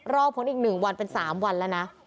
รอผลอีก๑วันเป็น๓วันแล้วนะ